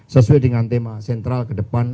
sesuai dengan tema sentral ke depan